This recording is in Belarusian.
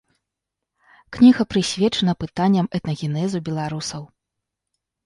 Кніга прысвечана пытанням этнагенезу беларусаў.